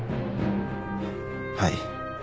はい。